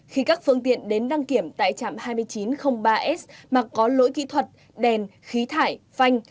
khi các phương tiện đến đăng kiểm tại trạm hai nghìn chín trăm linh ba s mà có lỗi kỹ thuật đèn khí thải phanh